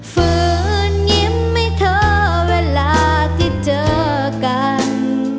ฝืนยิ้มให้เธอเวลาที่เจอกัน